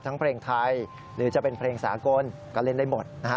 เพลงไทยหรือจะเป็นเพลงสากลก็เล่นได้หมดนะฮะ